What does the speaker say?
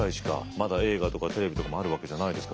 まだ映画とかテレビとかもあるわけじゃないですから。